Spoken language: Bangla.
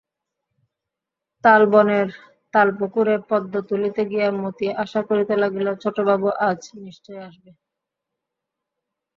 তালবনের তালপুকুরে পদ্ম তুলিতে গিয়া মতি আশা করিতে লাগিল, ছোটবাবু আজ নিশ্চয় আসবে।